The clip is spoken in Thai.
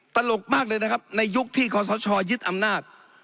ตลกมากเลยนะครับในยุคที่ขอสชยึดอำนาจ